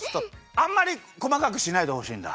あんまりこまかくしないでほしいんだ。